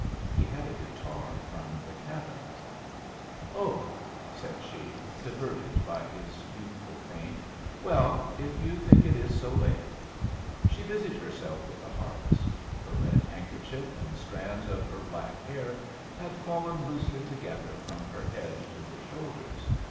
He had a guitar from the cabin. "Oh!" said she, diverted by his youthful feint. "Well, if you think it is so late." She busied herself with the harvest. Her red handkerchief and strands of her black hair had fallen loosely together from her head to her shoulders.